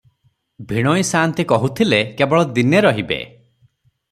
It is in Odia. ଭିଣୋଇ ସାଆନ୍ତେ କହୁଥିଲେ, କେବଳ ଦିନେ ରହିବେ ।